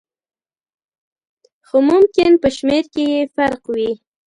خو ممکن په شمېر کې یې فرق وي.